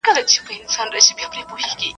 o د ښاره ووزه، د نرخه ئې مه وزه.